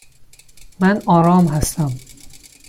من آرام هستم.